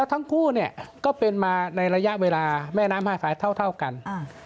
ทั้งคู่เนี่ยก็เป็นมาในระยะเวลาแม่น้ำห้าสายเท่าเท่ากันอ่า